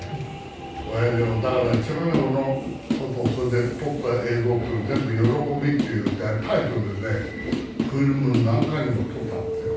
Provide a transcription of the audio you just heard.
だから一生懸命俺の事をそれで撮った映像っていうの全部「よろこび」っていうタイトルでフィルム何缶にも取ってあるんですよ。